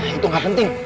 nah itu gak penting